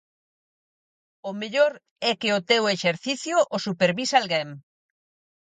O mellor é que o teu exercicio o supervise alguén.